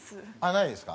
ないですか？